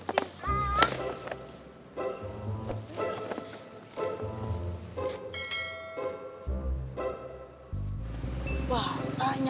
jangan rebutin ma